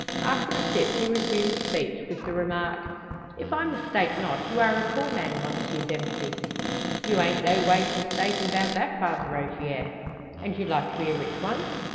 After a sip, he resumes speech with the remark: "If I mistake not, you are a poor man, Monsieur Dempsey?" "You ain't no ways mistaken 'bout that, Father Rogier." "And you'd like to be a rich one?"